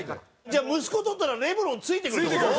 じゃあ息子を取ったらレブロンついてくるって事？